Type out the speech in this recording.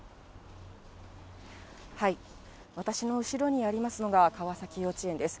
私の後ろにありますのが、川崎幼稚園です。